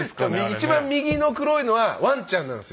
一番右の黒いのはワンちゃんなんですよ